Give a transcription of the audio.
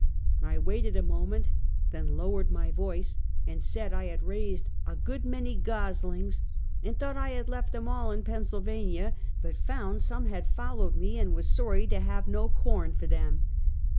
I waited a moment, then lowered my voice, and said I had raised a good many goslings, and thought I liad left them all in Pennsylvania, but found some had followed me, and was sorry to have no corn for them.